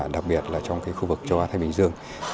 đặc biệt là trong khu vực châu á thái bình dương